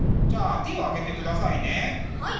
じゃあ手を挙げてくださいね。